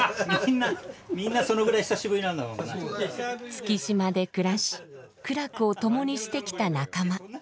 月島で暮らし苦楽を共にしてきた仲間。